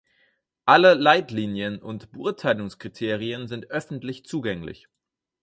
Alle Leitlinien und Beurteilungskriterien sind öffentlich zugänglich.